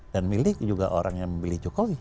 dan milik juga orang yang memilih jokowi